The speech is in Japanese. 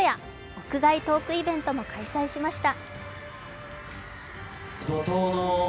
屋外トークイベントも開催しました。